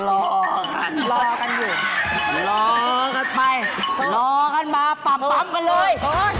รอกันไปรอกันมาปับปับกันเลย